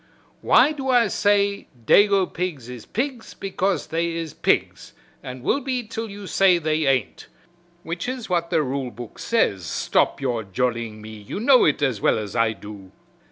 "Why do I say dago pigs is pigs because they is pigs and will be til you say they ain't which is what the rule book says stop your jollying me you know it as well as I do.